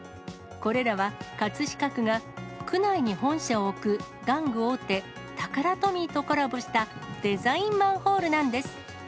これらは葛飾区が区内に本社を置く玩具大手、タカラトミーとコラボしたデザインマンホールなんです。